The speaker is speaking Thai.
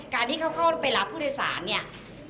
การที่เขาเข้าไปรับผู้โดยสารเนี่ย